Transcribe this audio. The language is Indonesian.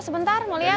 sebentar mau lihat